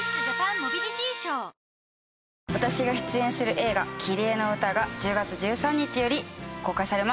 私が出演する映画『キリエのうた』が１０月１３日より公開されます。